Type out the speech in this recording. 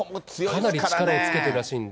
かなり力をつけてるらしいんで。